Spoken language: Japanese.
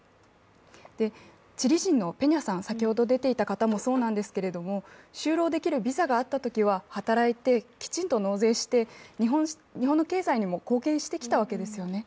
チリ人のペニャさん、先ほど出ていた方もそうなんですけれども就労できるビザがあったときは、働いてきちんと納税して、日本の経済にも貢献してきたわけですよね。